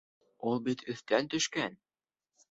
Ул бит өҫтән төшкән!